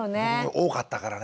多かったからね。